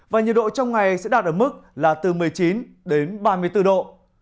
và nhiệt độ trong ngày sẽ đạt ở mức là từ một mươi chín đến ba mươi bốn độ